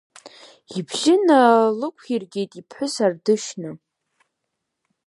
Ибжьы налықәиргеит иԥҳәыс Ардышьна.